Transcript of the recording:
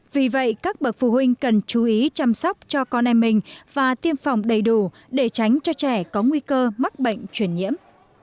vì vậy các bậc phụ huynh cần chú ý chăm sóc cho con em mình và tiêm phòng đầy đủ để tránh cho trẻ có nguy cơ mắc bệnh chuyển nhiễm